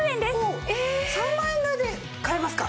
おっ３万円台で買えますか！